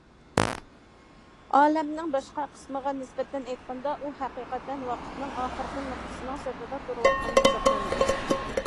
ئالەمنىڭ باشقا قىسمىغا نىسبەتەن ئېيتقاندا، ئۇ ھەقىقەتەن ۋاقىتنىڭ ئاخىرقى نۇقتىسىنىڭ سىرتىدا تۇرۇۋاتقان ھېسابلىنىدۇ.